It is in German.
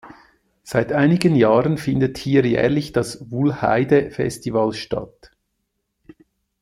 Seit einigen Jahren findet hier jährlich das "Wuhlheide Festival" statt.